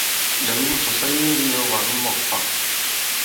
Lɛ̌n wusò sa yege ndī i inyɔ̄ɔwàk di mɔ̂k fa.